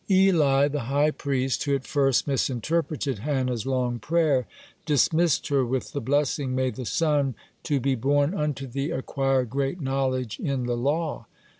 (10) Eli the high priest, who at first misinterpreted Hannah's long prayer, dismissed her with the blessing: "May the son to be born unto thee acquire great knowledge in the law."